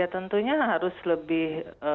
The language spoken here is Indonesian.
tentunya harus lebih